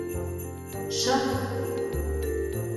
— Шы-ып!..